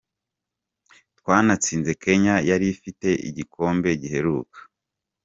Twanatsinze Kenya yari ifite igikombe giheruka.